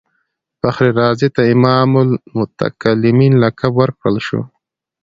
فخر رازي ته امام المتکلمین لقب ورکړل شو.